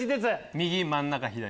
右真ん中左。